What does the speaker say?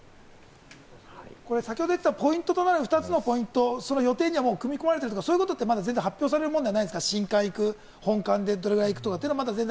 先ほど言ってたポイントとなる２つのポイント、予定にはもう組み込まれてるとか、そういうことは発表されるものではないんですか？